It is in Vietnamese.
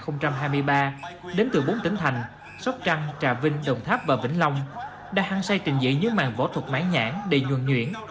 năm hai nghìn hai mươi ba đến từ bốn tỉnh thành sóc trăng trà vinh đồng tháp và vĩnh long đã hăng say trình diễn những màn võ thuật mãi nhãn đầy nhuồn nhuyễn